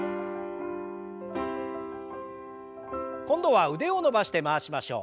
今度は腕を伸ばして回しましょう。